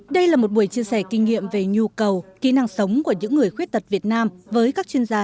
đây là một buổi chia sẻ kinh nghiệm về nhu cầu kỹ năng sống của những người khuyết tật việt nam với các chuyên gia